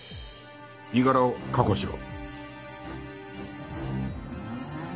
身柄を確保しろ！